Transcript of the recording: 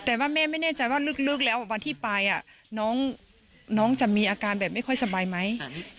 แต่ว่าแม่ไม่แน่ใจว่าลึกแล้ววันที่ไปน้องจะมีอาการแบบไม่ค่อยสบายไหม